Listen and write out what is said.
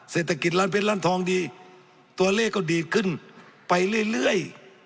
เศรษฐกิจร้านเพชรร้านทองดีตัวเลขก็ดีขึ้นไปเรื่อย